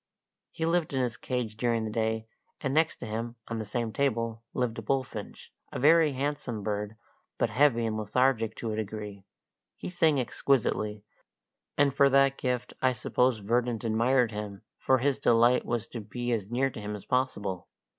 He lived in his cage during the day, and next to him, on the same table, lived a bullfinch a very handsome bird, but heavy and lethargic to a degree; he sang exquisitely, and for that gift I suppose Verdant admired him, for his delight was to be as near him as possible.